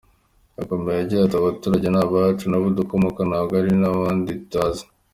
Yakomeje agira ati “Abaturage ni abacu, ni abo dukomokamo ntabwo ari ab’ahandi tutazi.